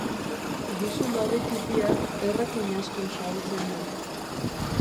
Gisu labe ttipiak errekin asko xahutzen du.